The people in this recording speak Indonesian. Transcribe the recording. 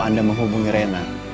anda menghubungi rena